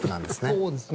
そうですね。